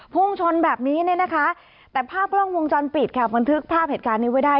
ภุงชนแบบนี้แต่ภาพล่องวงจรปิดมันทึกภาพเหตุการณ์นี้ไว้ได้